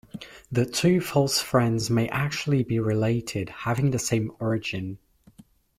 The two "false friends" may actually be related, having the same origin.